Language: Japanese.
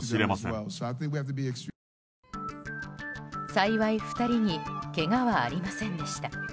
幸い、２人にけがはありませんでした。